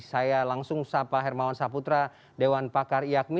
saya langsung sapa hermawan saputra dewan pakar iakmi